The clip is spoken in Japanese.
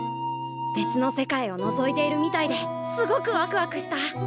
別の世界をのぞいているみたいですごくワクワクした。